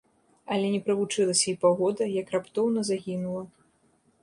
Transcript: Але не правучылася і паўгода, як раптоўна загінула.